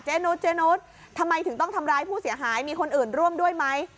นุษเจนุสทำไมถึงต้องทำร้ายผู้เสียหายมีคนอื่นร่วมด้วยไหม